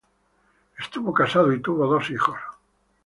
Estuvo casado y tuvo dos hijos.